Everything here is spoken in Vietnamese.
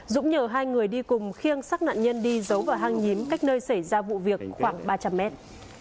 dũng nhờ hai người đi cùng khiêng xác nạn nhân đi giấu vào hang nhím cách nơi xảy ra vụ việc khoảng ba trăm linh mét